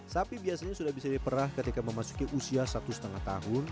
sapi biasanya sudah bisa diperah ketika memasuki usia satu lima tahun